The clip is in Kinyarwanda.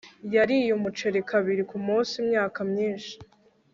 yariye umuceri kabiri kumunsi imyaka myinshi